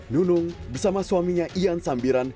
nunung bersama suaminya ian sambiran